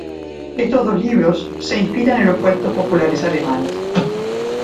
Estos dos libros se inspiran en los cuentos populares alemanes.